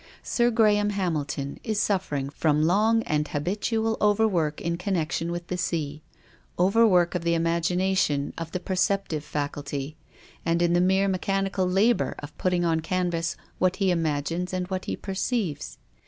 Sir Graham Hamilton is suffering from long and habitual overwork in connection with the sea ; overwork of the imagi nation, of the perceptive faculty, and in the mere mechanical labour of putting on canvas what he imagines and what he perceives.